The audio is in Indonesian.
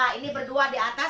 kalau mandi segala macam di mana